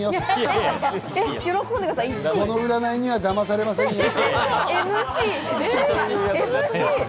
この占いにはだまされませんよ。